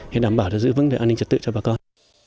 để đảm bảo giữ vấn đề an ninh trật tự cho bà con